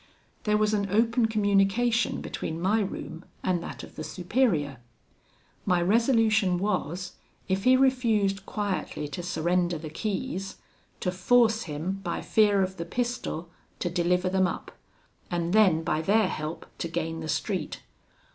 There was an open communication between my room and that of the Superior. My resolution was, if he refused quietly to surrender the keys, to force him, by fear of the pistol, to deliver them up, and then by their help to gain the street.